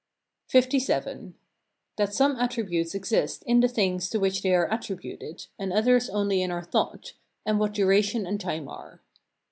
LVII. That some attributes exist in the things to which they are attributed, and others only in our thought; and what duration and time are.